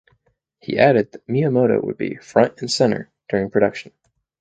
He added that Miyamoto would be "front and center" during production.